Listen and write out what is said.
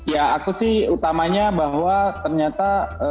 ya aku sih utamanya bahwa ternyata